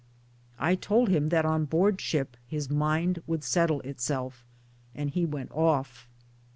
I told him that on board ship his mind would settle itself ; and he went off.